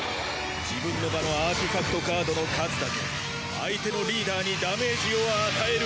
自分の場のアーティファクト・カードの数だけ相手のリーダーにダメージを与える。